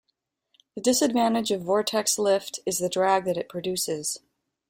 The disadvantage of vortex lift is the drag that it produces.